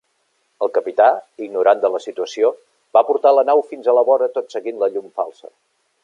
El capità, ignorant de la situació, va portar la nau fins a la vora tot seguint la llum falsa.